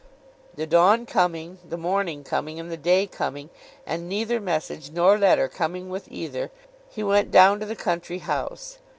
The dawn coming, the morning coming, and the day coming, and neither message nor letter coming with either, he went down to the country house.